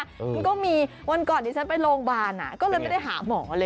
มันก็มีวันก่อนดิฉันไปโรงพยาบาลก็เลยไม่ได้หาหมอเลย